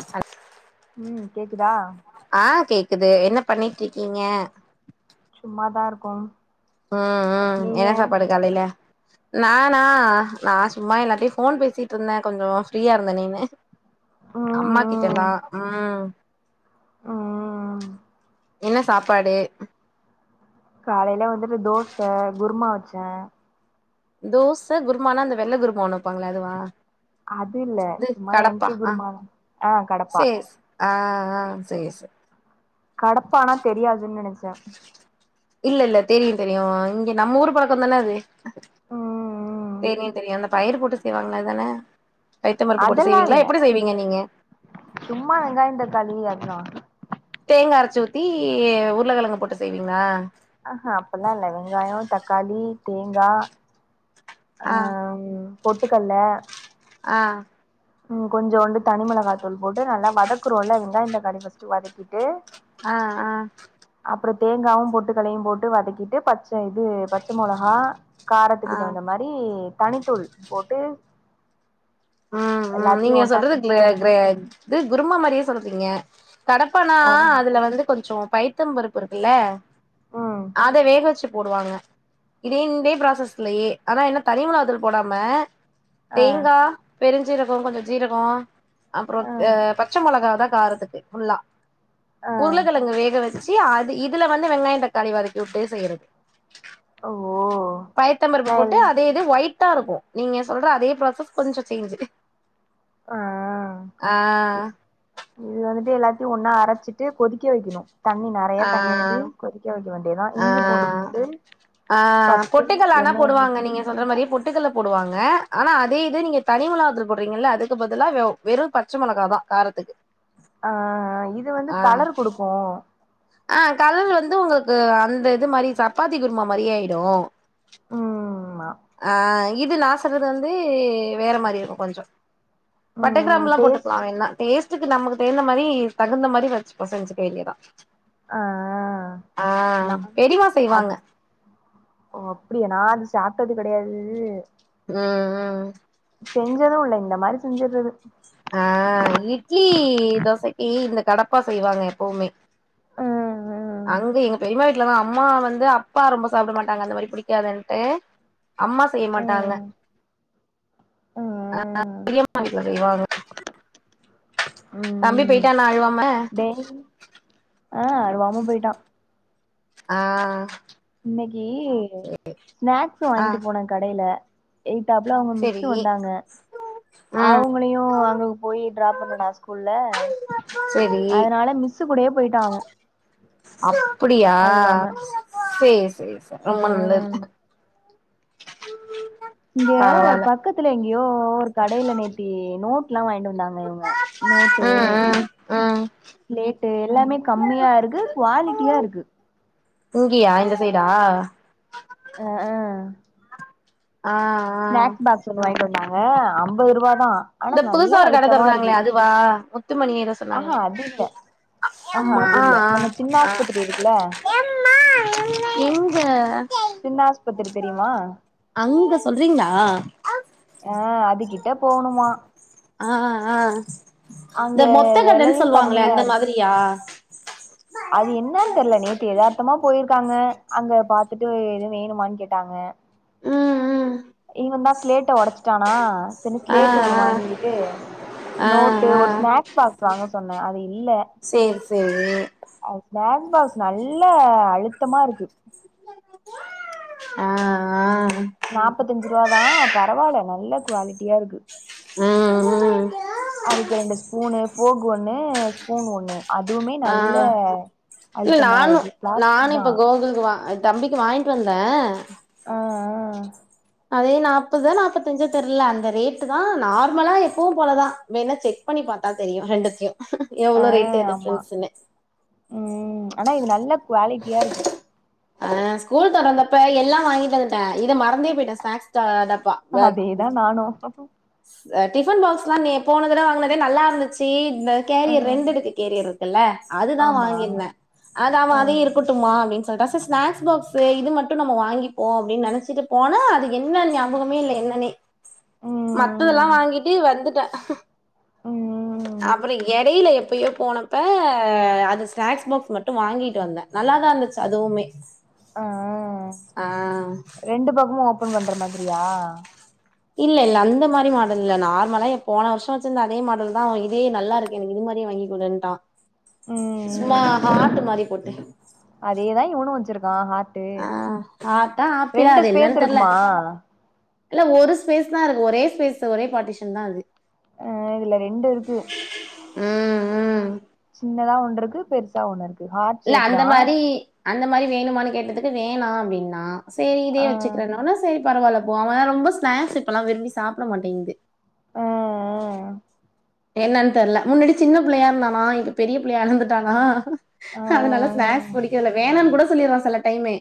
as ம் கேக்குதா ஆ கேக்குது என்ன பண்ணிட்டுருக்கீங்க சும்மாதா இருக்கோ ம் ம் நீங்க என்ன சாப்பாடு காலைல நானா நா சும்மா எல்லார்டையு ஃபோன் பேசிட்டுருந்தே கொஞ்சோ ஃப்ரீயா இருந்த நீனு அம்மா ம் கிட்டலாம் ம் ஆ என்ன சாப்பாடு காலைல வந்துட்டு தோச குர்மா வச்சே தோச குர்மானா அந்த வெள்ள குர்மா ஒண்ணு வப்பாங்களே அதுவா அது இல்ல இது சும்மா கடப்பா எம்டி குருமா வாம் ஆ கடப்பா அ அ சே சேரி கடப்பானா தெரியாதுன்னு நனச்சேன் இல்ல இல்ல தெரியும் தெரியும் இங்க நம்ம ஊரு பழக்கம் தானே அது ம் தெரியும் தெரியும் அந்த பயிர் போட்டு செய்வாங்களா அதான பைத்த பருப்பு போட்டு அதெல்லா செய்வீங்களா இல்ல எப்டி செய்வீங்க நீங்க சும்மா வெங்காயம் தக்காளி அதுல்லா தேங்காய் அரச்சு ஊத்தி உருளைக்கெழங்கு போட்டு செய்வீங்களா அஹ அப்பல்லாம் இல்ல வெங்காயம் தக்காளி தேங்கா ஆ அ பொட்டுக்கல்ல அ ம் கொஞ்சுண்டு தனிமெளகாத்தூள் போட்டு நல்லா வதக்கறோம் இல்ல வெங்காய தக்காளி ஃபர்ஸ்ட் வதக்கி ட்டு ஆ ஆ அப்றோ தேங்காவும் பொட்டுக்கலையும் போட்டு வதக்கிட்டு பச்ச இது பச் ச மொளகா ஆ காரத்துக்கு தகுந்த மாரி தனித்தூள் போட்டு ம் ம் எல்லாத்தையும் நீங்க ஒன்னா சொல்றது மிக்ஸ் க்ளே பண்ணி க்ரேக் இது குருமா மாரியே சொல்றீங்க கடப்பானா ஆ அதுல வந்து கொஞ்சோ பயித் த்தம் பருப்பு இருக்குல்ல ம் அத வேக வச்சு போடுவாங்க இரெண்டே ப்ராசஸ்லியே ஆனா என்னத் தனி மொளகாத்தூள் போடாம ஆ தேங்கா பெருஞ்சீரகோ கொஞ்சோ ஜீரகோ அப்றோ ஆ அ பச்ச மொளகாதா காரத்துக்கு ஃபுல்லா ஆ உருளக்கெழங்க வேக வச்சி அது இதுல வந்து வெங்காயந் தக்காளி வதக்கி வுட்டே செய்யறது ஓ பயித்தம்பருப்பு நா போட்டு எல் அதே இது ஒயிட்டாருக்கு நீங்க சொல்ற அதே ப்ராசஸ் கொஞ்சோ சேஞ்சு ஆ ஆ இப் இது வந்துட்டு எல்லாத்யு ஒன்னா அரச்சிட்டு கொதிக்க வெக்கிணு தண்ணி ஆ நெறையத் தண்ணி ஊத்தி கொதிக்க வெக்க வேண்டியதா ஆ இஞ்சி பூண்டு போட்டு ஆ ஃபர்ஸ்ட்டும் பொட்டுக்கல்ல ஆனா எண்ணெய போடுவாங்க ஊத்தி நீங்க சொல்ற மாரியேப் பொட்டுக்கல்லப் போடுவாங்க ஆனா அதே இது நீங்க தனிமிளகாத்தூள் போட்றீங்க இல்ல அதுக்கு பதிலா வே ஓப் வெறு பச்ச மொளகாதா காரத்துக்கு ஆ ஆ இது வந்து ஆ கலர் குடுக்கு ஆ கலர் வந்து உங்குளுக்கு அந்த இது மாரி சப்பாத்தி குருமா மாரியே ஆயிடு ம் ம் மா ஆ இது நா சொல்றது வந்து வேற மாரி இருக்கு கொஞ்சோ பட்ட ம் கிராம்லா போட்டுக்லா டேஸ்ட் வேண்ணா டேஸ்ட் ஸ்ட்டுக்கு நமக்கு தேகுந்த மாரி தகுந்த மாரி வச்சுபோ செஞ்சுக்க வேண்டியேதா ஆ ஆ நா பெரிமா அது செய்வாங்க ஓ அப்டியா நா அது சாப்டது கெடையாது ம் ம் செஞ்சது இல்ல இந்த மாரி செஞ்சர்றது அ இட்லி தோசைக்கி இந்தக் கடப்பா செய்வாங்க எப்பவுமே அ அ அங்க எங்க பெரிமா வீட்லதா அம்மா வந்து அப்பா ரொம்ப சாப்ட மாட்டாங்க அந்த மாரி புடிக்காதுன்ட்டே அம்மா செய்ய மாட்டாங்க ம் ஆ ம் பெரியம்மா வீட்ல செய்வாங்க [unintelligible] தம்பி போயிட்டானா அழுவாம டைன் அழுவாம போயிட்டா ஆ இன்னைக்கி ஸ்நாக்ஸ் ஆ வாங்கிட்டு போனே கடைல எய்த்தாப்ல அவுங்க செரி மிஸ்ஸு வந்தாங்க ம் அவுங்கனையு அங்க போய் ட்ராப் பண்ணனா ஸ்கூல்ல செரி அதனால மிஸ்ஸு கூடயே போய்ட்டா அவே அப்டியா சேர் சேர் சே ரொம்ப நல்லது ம் இங்க பரவால்ல பக்கத்துல எங்கியோ ஒரு கடைல நேத்தி நோட்லா வாயின்ட்டு வந்தாங்க இவுங்க நோட்டு ம் ம் ம் ஸ்ளேட்டு எல்லாமே கம்மியா இருக்கு குவாலிட்டியா இருக்கு இங்கியா இந்த சைடா அ ஆ ஆ ஆ ஸ்நாக்ஸ் பாக்ஸ் ஒன்னு வாய்ன்ட்டு வந்தாங்க அம்பது ருபா தா அனா நல்ல அழுத்தமா இருக்கு வா முத்துமணியரஸ் சொன்னாங்க ஆஹா அது இல்ல ஆஹா அம்மா அது ஆ இல்ல நம்ம சின்ன ஆ ஆஸ்பத்திரி இருக்குல்ல ஆ எங்க சின்பா ஆஸ்பித்திரி தெரிமா அங்க சொல்றிங்களா ஆ அதுக்கிட்ட போணுமா ஆ ஆ அங்க இந்த மொத்தக்கடன்னு வெலையு சொல்வாங்ளே கம்மியா அந்த இருக்கு மாதிரியா அது என்னன் தெர்ல நேத்து எதார்த்தமா போய்ருக்காங்க அங்க பாத்துட்டு எது வேணுமான்னு கேட்டாங்க ம் ம் இவன்தா ஸ்லேட்ட ஒடச்ட்டானா செர்ன்னு ஆ ஸ்லேட்டு ஒண்ணு வாங்கீட்டு ஆ ஆ நோட்டு ஆ ஒரு ஸ்நாக்ஸ் பாக்ஸ் வாங்க சொன்ன அது இல்ல சேரி சேரி அது ஸ்நாக்ஸ் பாக்ஸ் நல்லா அழுத்தமாருக்கு அ ஆ நாப்பத்தஞ்ருவா தா பரவால்ல நல்ல குவாலிட்டியா இருக்கு ம் ம் அதுக்கு ரெண்டு ஸ்பூனு ஃபோக் ஒண்ணு ஸ்பூன் ஒண்ணு அதுவுமே ஆ நல்ல அழுத்தமா இருக்கு பிளாஸ்டிக் தா கோவில் வா அத் தம்பிக்கு வாய்ன்ட்டு வந்த அ அ அதே நாப்பதா நாபத்தஞ்சா தெர்ல அந்த ரேட்டு தா நார்மலா எப்பவு போலதா வேணா செக் பண்ணி பாத்தா தெரியு ரெண்டத்யு ஆ ஆ எவ்ளோ ரேட்டு ஆமா எடுத்துச்சுன்னு ம் அனா இது நல்லா குவாலிட்டியா இருக்கு ஆ ஸ்கூல் தொரந்தப்ப எல்லா வாங்கிட்டு வந்துட்ட இத மறந்தே போய்ட்ட ஸ்நாக்ஸ் டா டப்பா அதே தா நானு அ டிஃபன் பாக்ஸ்லா நீ போன தடவ வாங்குனதே நல்லார்ந்துச்சி இந்த ஆ கேரியர் ரெண்டடுக்கு கேரியர் இருக்குல்ல அதுதா ஆமா வாங்கிர்ந்த அது அவ ஆ அதயு இருக்குட் டுமா அப்டினு சொல்ட்டா சோ ஸ்நாக்ஸ் பாக்ஸு இது மட்டு நம்ம வாங்கிப்போ அப்டின்னு நெனச்சிட்டு போனா அது என்ன ஞாபகமே இல்ல என்னன்னே ம் மத்ததுல்லா ம் வாங்கீட்டு வந்துட்ட ம் அப்பறோ எடையில எப்பயோ போனப்ப அது ஸ்நாக்ஸ் பாக்ஸ் மட்டு வாங்கீட்டு வந்த நல்லா தா இருந்துச்சு அதுவுமே ஆ ஆ ரெண்டு பக்கமு ஓப்பன் பண்ற மாதிரியா இல்ல இல்ல அந்த மாறி மாடல் இல்ல நார்மலா எப் போன வருஷ்ஷோ வெச்சிர்ந்த அதே மாடல் தா இதே நல்லாருக் எனக் இது மாறியே வாங்கிக் குடுன்ட்டா சும்மா ம் ஹார்ட்டு மாறிப் போட்டு அதேதா இவனு வெச்சிருக்கா ஆ ஹார்ட்டா ஆப்பிளா அது ஸ்பேஸ் என்னனு தெர்ல இருக்குமா இல்ல ஒரு ஸ்பேஸ் தா இருக்கு ஒரே ஸ்பேஸ் ஒரே பார்டிஷன் தா அது அ இதுல ரெண்டு இருக்கு உம் உம் சின்னதா ஒன்னுறு இருக்கு பெருசா ஒன்னு இருக்கு ஹார்ட் இல்ல ஷேப் அந்த தா மாரி அந்த மாறி வேணுமான்னு கேட்டதுக்கு வேணா அப்டின்னா சேரி இதே ஆ வச்சுக்கிற நானு சேரி பரவால்ல இப்போ அவன் ரொம்ப ஸ்நாக்ஸ் இப்பல்லா விரும்பி சாப்பிட மாட்டிங்குது அ அ என்னன்னு தெர்ல முன்னடி சின்ன புள்ளையா இருந்தானா இப்ப பெரிய புள்ளையா அலந்துட்டானா ஆ அதனால ஸ்நேக்ஸ் புடிக்கல வேணான்னு கூட சொல்லிட்றா சில டைமே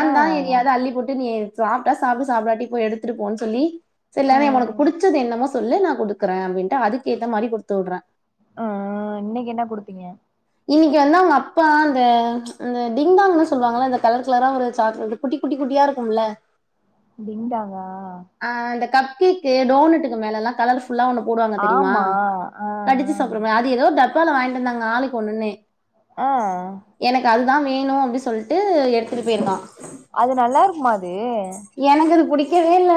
ஆ தா ஆ எதையாது அள்ளி போட்டு நீ சாப்டா சாப்பிடு சாப்புடாட்டி போ எடுத்துட்டுபோன்னு சொல்லி சரி ஆ இல்லன்னா உனக்கு புடிச்சது என்னமோ சொல்லு நா குடுக்குறே அப்டின்ட்டு அதுக்கு ஏத்த மாறி குடுத்து உட்றே அ ஆ இன்னைக்கி என்ன குடுத்தீங்க இன்னிக்கி வந்து அவங்க அப்பா அந்த அந்த டிங்டாங்னு சொல்லுவாங்கில்ல இந்த கலர் கலரா ஒரு சாக்லேட்டு குட்டி குட்டி குட்டியா இருக்கும்ல்ல டிங்டாங்கா ஆ இந்த கப்கேக்கு டோனட்டுக்கு மேல எல்லா கலர்ஃபுல்லா ஒண்ணு போடுவாங் தெரியுமா ஆமா ஆ கடிச்சு ஆ சாப்பற்ற மாறி அது ஏதோ டப்பால வாங்கிட்டு வந்தாங்க ஆளுக்கு ஒன்னொன்னு அ எனக்கு அதுதா வேணு அப்டின்னு சொல்ட்டு எடுத்துட்டு போயிருக்கா அது நல்லா இருக்குமா அது எனக்கு அது புடிக்கவே இல்ல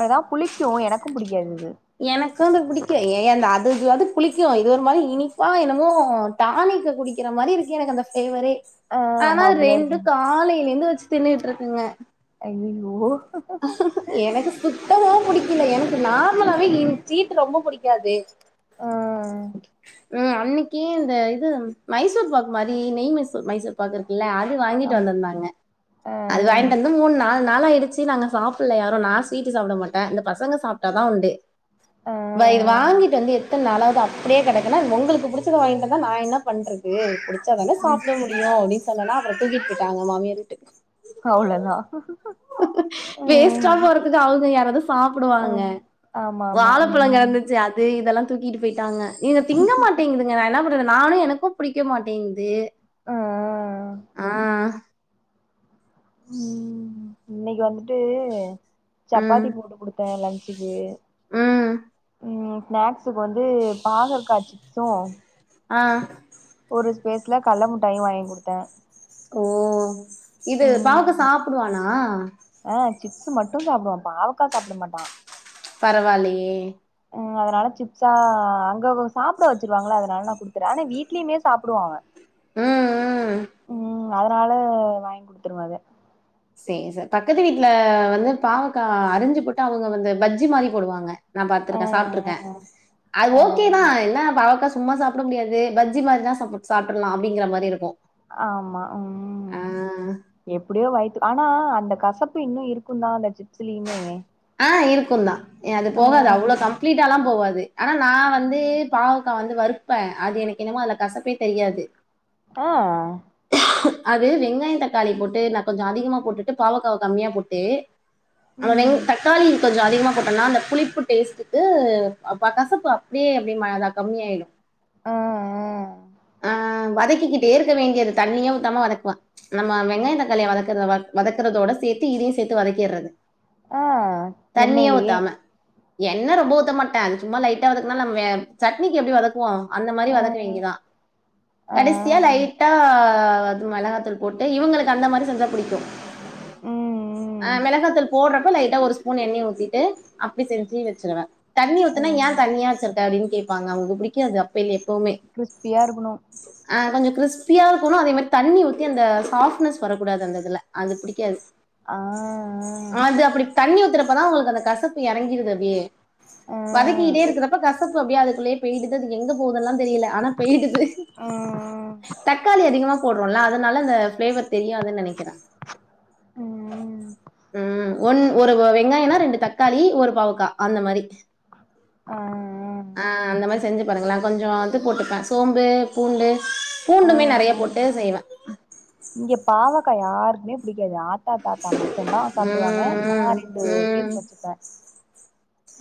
ஆனா புளிக்கும் எனக்கும் புடிக்காது இது எனக்கு வந்து புடிக்கு ஏ அந்த அதாவது புளிக்கும் இது ஒரு மாறி இனிப்பா என்னமோ டானிக்கு குடிக்கிற மாறி இருக்கு எனக்கு அந்த ஃபளேவரே ஆ ஆனா ஆமா அது அப்டிதா இருக்கு ரெண்டும் காலைல இருந்து வச்சு தின்னுட்டு இருக்குங்க ஐய்யய்யோ எனக்கு சுத்தமா புடிக்கல எனக்கு நார்மலாவே என ஸ்வீட்டு ரொம்ப புடிக்காது ஆ ம் அன்னக்கி இந்த இது மைசூர் பாக் மாறி நெய் மைசூர் மைசூர் பாக் இருக்குல்ல அது வாங்கிட்டு அம் வந்திருந்தாங்க ஆ அது வாங்கிட்டு வந்து மூன் நாலு நாள் ஆயிடுச்சு நாங்க சாப்பிட்ல யாரும் நா ஸ்வீட்டு சாப்ட மாட்டே இந்த பசங்க சாப்ட்டாதா உண்டு ஆ வை இது வாங்கிட்டு வந்து எத்தன நாள் ஆவுது அப்டியே கிடைக்குனா உங்களுக்கு புடிச்சத வாங்கிட்டு வந்தா நா என்ன பண்றது புடிச்சா தானே ம் சாப்ட முடியு அப்டின்னு சொன்னனா அப்றோ தூக்கிட்டு போய்டாங்க மாமியார் வீட்டுக்கு அவ்ளதா வேஸ்டா போறதுக்கு அவுங்க யாராவது சாப்புடுவாங்க அம் ஆமா ஆமா வாழைப்பழ ம் கலந்தது அது இதெல்லா தூக்கிட்டு போயிட்டாங்க இத திங்க மாட்டேங்குது இப்ப நா என்னா பண்றது நானு எனக்கும் புடிக்க மாட்டிங்குது ஆ ஆ உம் இன்னைக்கி வந்துட்டு ம் சப்பாத்தி போட்டு குடுத்தே லன்ச்சுக்கு ம் ம் ஸ்நேக்ஸ்சுக்கு வந்து பாகற்க்கா சிப்ஸ்சும் அ ஒரு ஸ்பேஸ்ல கல்ல முட்டாய் வாங்கி குடுத்தே ஓ இது பாவக்கா ம் சாப்புடுவானா ஆ சிப்ஸ்சு மட்டு சாப்புடுவா பாவக்கா சாப்புட மாட்டா பரவால்லயே ம் அதனால சிப்ஸா அங்க சாப்பிட வச்சுருவாங்கல்ல அதனால நா குடுத்தற்றே ஆனா வீட்லயுமே சாப்புடுவா அவன் ம் ம் ம் அதனால வாங்கி குடுத்துருவே அத சேர் சார் பக்கத்து வீட்ல வந்து பாவக்கா அறிஞ்சு போட்டு அவங்க வந்து பஜ்ஜி மாறி போடுவாங்க நா ஆ பத்ருக்கே சாப்பிட்ருக்கே அது ஆ ஆ ஓகேதா என்ன பாவக்காஸ் சும்மா சாப்பட முடியாதே பஜ்ஜி மாதா சாப்பு சாப்ட்றலா அப்டிங்கற மாதி இருக்கு ஆமா உம் எப்டியோ வயத்து ஆனா அந்த கசப்பு இன்னு இருக்குன்தா அந்த சிப்ஸுலியுமே ஆ இருக்குன்தா ய அது போகாது அவ்ளோ கம் ஃப்ளீட்டாலா போவாது ஆனா நா வந்து பாவக்கா வந்து வறுப்பே அது எனக் என்னமோ அல கசப்பே தெரியாது ஆ அது வெங்காயு தக்காளி போட்டே நா கொஞ்சு அதிகமா போட்டுட்டு பாவக்காவ கம்மியா பொட்டே அவ வெங் ம் கொஞ்சோ அதிகமா போட்டன்னா அந்த புளிப்பு டேஸ்டுக்கு அ பா கசப்பு அப்டியே அப்டின் மா அதா கம்மியாய்டு ஆ ஆ வதக்கிக்கிட்டே இருக்க வேண்டியது தண்ணியே ஊத்தாம வதக்வா நம்ம வெங்காயன் தக்காளிய வதக்கற வத் வதக்கறதோட சேத்தி இதியு சேத்து வதக்கிறது ஆ தண்ணியே எண்ணெய்லயே ஊத்தாம என்ன ரொம்ப ஊத்த மாட்டே அது ச்சும்மா லைட்டா வதக்குனால் நம்வே சட்னிக்கு எப்டி வதக்வோ அந்த மாரி ஆ வதக்கு வேண்டியதா ஆ கடஸ்சியா ம் லைட்டா அத் மெளகாத்தூள் போட்டு இவுங்களுக்கு அந்த மாரி செஞ்சா புடிக்கு அ ம் மெளகாத்தூள் போட்றப் பு லைட்டா ஒரு ஸ்பூன் எண்ணய ஊத்திட்டு அப்டி செஞ்சி வெச்சிருவே தண்ணிய ஆ ஊத்துனா யா தண்ணியா வச்சுர்க்க அப்டின்னு கேப்பாங்க அவுங்கு புடிக்காது அப்பய்லே எப்போமே கிறிஸ்பியா இருக்கணு அ கொஞ்சு க்றிஸ்ப்பியாவ் உக்குணு அதே மார் தண்ணி ஊத்தி அந்த சாஃப்னஸ் வரக்கூடாது அந்த இதுல அது பிடிக்காது ஆ ஆ து அப்டி தண்ணி ஊத் தெரப்பதா உங்களுக் அந்த கசப்பு யறங்கிடுது அப்டியே ஆ வதக்கிட்டே இருக்கறப்ப கசப்பு அப்டியே அதுக்குள்ளே பெய்டுத் தது எங்க போதல்லா தெரியல ஆனா பெய்டுது ஆ ம் ம் தக்காளி அதிகமாப் போட்றோல அதனால அந்த ஃப்ளேவர் தெரியாதுன் நனைக்குறே ம் ம் வன் ஒரு வா வே வெங்காய்ன்னா ரெண்டு தக்காளி ஒரு பாவ்க்கா அந்த மாரி ஆ ஆ அந்த மாரி செஞ்சு பாருங்ளே கொஞ்சோ அது போட்டுப்பே சோம்பே பூண்டு ஆ ஆ பூண்டுமே நெறைய போட்டு செய்வ இங்கே பாவக்கா யார்க்குமே பிடிக்காது ஆத் தாத்தாத்தா மட்டுன்தா சாப்டுவாங்க நா ம் ரெண்டு ம் ம் பீஸ் வச்சுப்பே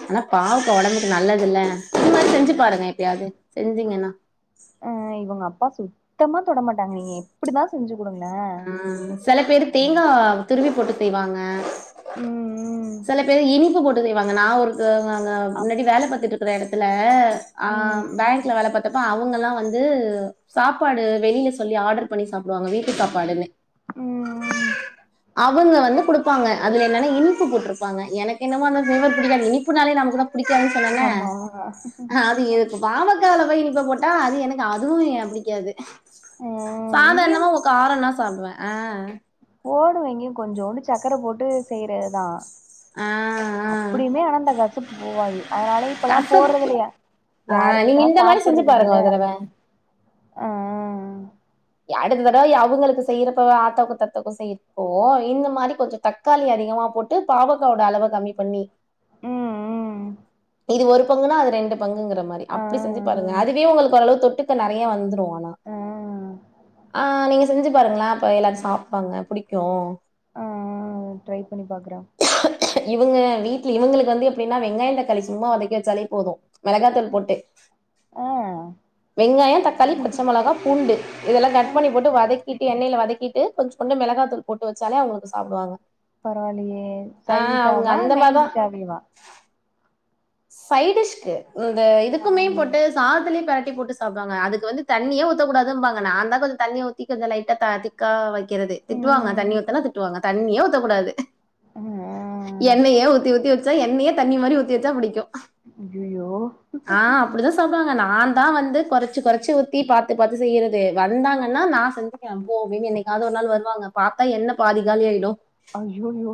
ஆனா பாவக்க ஒடம்புக்கு நல்லதுல்ல இந்து மாரி செஞ்சு ம் பாருங்க எப்பயாவ்து செஞ்சீங்கன்னா அ இவங்க அப்பா சுத்தமா தொடமாட்டாங்க நீங்கு யே இப்டிதா செஞ்சு குடுங்ளே ஆ செல பேரு தேங்கா திருவி போட்டு செய்வாங்க செல பேர் இனிப்பு போட்டு செய்வாங்க நா ஒரு தா ங்க ங்கவ் முன்னாடி அப்பா வேல பாத்துட்ருக்க எடத்துல ம் ஆம் பேங்க்ல வேல பாத்தப்ப அவ் அவ்ங்கல்லா வந்து சாப்பாடு வெளில சொல்லி ஆடர் பண்ணி சாப்டுவாங்க வீட்டு சாப்பாடுன்னு ம் ஆமா ம் ம் அவுங்க வந்து குடுப்பாங்க அதுல என்னன்னா இனிப்பு போட்ருப்பாங்க எனக் என்னமோ அந்த ஃப்ளேவர் பிடிக்காது இனிப்புனாலே நமக்கு நம் பிடிக்காது சொன்னனே ஆமா ஆது எத் பாவக்கால போய் இனிப்ப போட்டா அது எனக்கு அதுவு ய பிடிக்காது ம் இங்கயு சாதார்ணமா உக் காரனா சாப்டுவே ஆ போடுவெங்கே கொஞ்சோண்டு சக்கர போட்டு செய்றேதா ஆ ஆ அப்டியுமே ஆனா அந்த காசப்பு போவாது அதனாலே இப்பல்லாம் போறது கசப்பு இல்லையா ஆ நீங்க யாருமேதா இந்த மாரி செஞ்சு சாப்றது பாருங்க இல்லேல ஒரு தடவ அ அடுத்த தடவ அவங்களுக்கு செய்யறப்போவ ஆத்தாக்கு தத்தாக்கு செய்யறப்போ இந்த மாரி கொஞ்ச தக் தக்காளி அதிகமா போட்டு பாவக்கா ஒட அளவ கம்மி பண்ணி ம் ம் ஒரு பங்குன்னா அது ரெண்டு பங்குங்கற மாரி ஆ அப்டி செஞ்சி பாருங்க அதுவே உங்களுக்கு ஓரளவு தொட்டுக்க நெறைய வந்துரு ஆனா ஆ ஆ ஆ நீங்க செஞ்சி பாருங்களா இப்ப எல்லாரு சாப்பாங்க புடிக்கு ஆ ட்ரை பண்ணி பாக்குற இவங்க வீட்ல இவங்களுக்கு வந்து எப்டின்னா வெங்காயோ தக்காளி சும்மா வதக்கி வச்சாலே போது மிளகாத்தூள் போட்டு ஆ வெங்காயோ தக்காளி பச்ச மோளகா பூண்டு இதெல்லா கட் பண்ணி போட்டு வதக்கிட்டு எண்ணெயில வதக்கிட்டு கொஞ்சோ கொஞ்சோ மிளகாத்தூள் போட்டு வச்சாலே அவங்களுக்கு சாப்டுவாங்க பரவாயில்லயே ஆ சைடிஷ் அவங்க ஆவா அந்த மெயின் மாரிதா டிஷ்ஷாவேவ சைடிஷ்க்கு இந்த ஆ இதுக்குமே போட்டு சாதல பிரட்டி போட்டு சாப்டுவாங்க அதுக்கு வந்து தண்ணியே ஊத்தக்கூடாதும்பாங்க நாதா கொஞ்சோ தண்ணிய ஊத்தி கொஞ்சோ லைட்டா திக்கா வைக்கிறது திட்டுவாங்க தண்ணி ம் ஊத்துனா திட்டுவாங்க தண்ணியே ஊத்தக்கூடாது ம் எண்ணெயே ஊத்தி ஊத்தி வச்சா எண்ணெயே தண்ணி மாரி ஊத்தி வச்சா பிடிக்கு ஐயோ யோ சொல்றாங்க நா தா வந்து கொறைச்சு கொறைச்சு ஊத்தி பாத்து பாத்து செய்யறது வந்தாங்கன்னா நா செஞ்ச போவேன் என்னைக்காவது ஒரு நாள் வருவாங்க பாத்தா எண்ண பாதிகாலி ஆயிடு ஐயையோ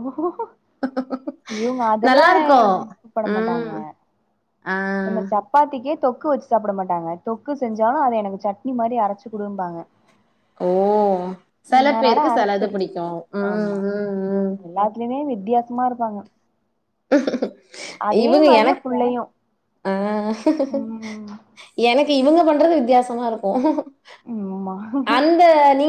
நல்லாருக்கு ம் ஆ என்னசாப் சப்பாத்திக்கே தொக்கு வச்சி சாப்ட மாட்டாங்க தொக்கு செஞ்சாலு அத எனக்கு சட்னிமாரி அரைச்சி குடும்பாங்க ஓ ம் செல அதனால பேருக்கு செலது அரைச்சறது பிடிக்கு ம் ஆமா ம் ம் எல்லாத் என்னே வித்தியாசமா இருக்கு அங்க இவங்க மாரியே எனக் புள்ளையு ஆ ம் எனக்கு இவங்க பண்றது வித்தியாசமா இருக்கு ம்மா அந்த நீங்க